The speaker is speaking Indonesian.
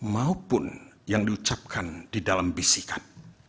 maupun yang diucapkan di dalam bisikan